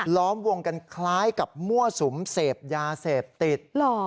ล้อมวงกันคล้ายกับมั่วสุมเสพยาเสพติด